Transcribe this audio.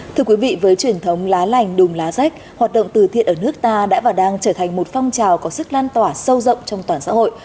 thưa quý vị với truyền thống lá lành đùm lá rách hoạt động từ thiện ở nước ta đã và đang trở thành một phong trào có sức lan tỏa sâu rộng trong toàn xã hội